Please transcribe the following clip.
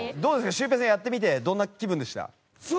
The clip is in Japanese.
シュウペイさんやってみてどんな気分でした？